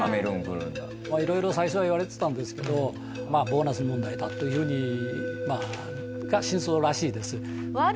まあ色々最初は言われてたんですけどボーナス問題だというふうにが真相らしいです。